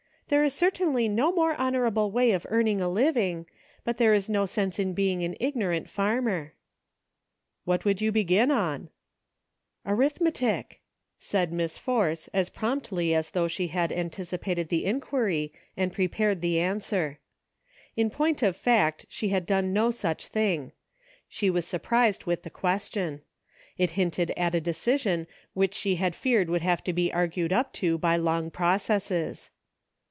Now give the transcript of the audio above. There is certainly no more honorable way of earn ing a living ; but there is no sense in being an ignorant farmer." " What would you begin on .'"" Arithmetic," said Miss Force as promptly as though she had anticipated the inquiry and pre PHOTOGRAPHS. I37 pared the answer. In point of fact she had done no such thing. She was surprised with the ques tion. It hinted at a decision which she had feared would have to be argued up to by long processes.